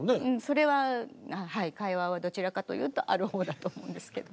それははい会話はどちらかというとある方だと思うんですけどね。